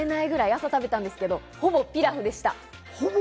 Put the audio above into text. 朝食べたんですけど、ほぼピラフでした。